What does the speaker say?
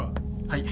はい。